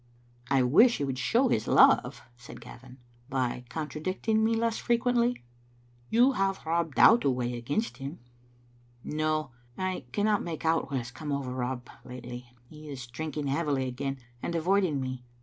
"I wish he would show his love," said Gavin, "by contradicting me less frequently." You have Rob Dow to weigh against him." "No; I cannot make out what has come over Rob lately. He is drinking heavily again, and avoiding me.